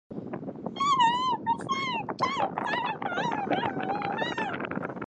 Melville persuaded a group of locals to help him search for his commander.